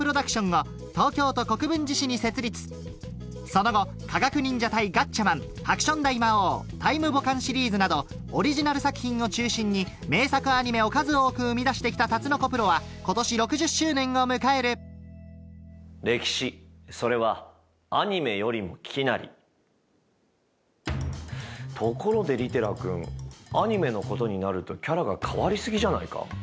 その後『科学忍者隊ガッチャマン』『ハクション大魔王』「タイムボカンシリーズ」などオリジナル作品を中心に名作アニメを数多く生み出して来たタツノコプロは今年６０周年を迎えるところで利寺君アニメのことになるとキャラが変わり過ぎじゃないか？